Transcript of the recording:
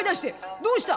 どうした？」。